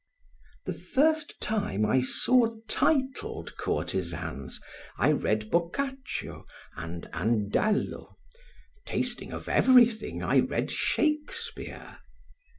The first time I saw titled courtesans I read Boccaccio and Andallo; tasting of everything, I read Shakespeare.